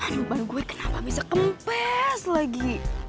aduh bang gue kenapa bisa kempes lagi